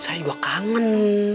saya juga kangen